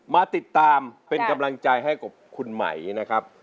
มาติดตามเป็นกำลังใจให้กับคุณไหมนะครับ